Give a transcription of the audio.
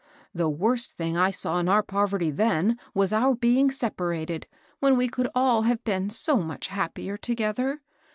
The worst thing I saw in our poverty then was our being separated, when we could all have been so much happier together.